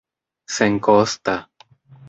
senkosta